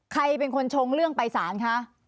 ใครเป็นคนชงเรื่องไปสารคะ